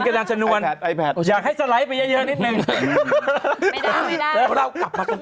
ขอบคุณน้ากากก็ไม่ได้ช่วยอะไร